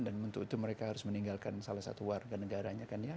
dan untuk itu mereka harus meninggalkan salah satu warga negaranya kan ya